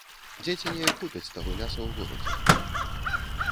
Дзеці неяк купяць таго мяса ў горадзе.